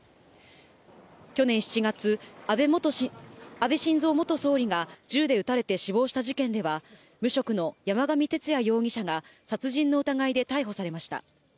去年７月、安倍晋三元総理が銃で撃たれて死亡した事件では、無職の山上徹也容疑者が、殺人の疑いで逮捕されました。